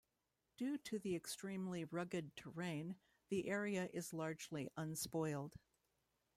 Due to the extremely rugged terrain, the area is largely unspoiled.